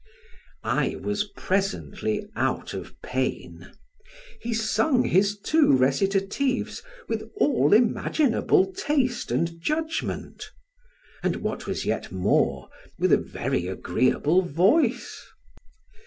I was presently out of pain: he sung his two recitatives with all imaginable taste and judgment; and what was yet more, with a very agreeable voice.